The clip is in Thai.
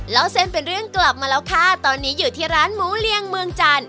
เล่าเส้นเป็นเรื่องกลับมาแล้วค่ะตอนนี้อยู่ที่ร้านหมูเลียงเมืองจันทร์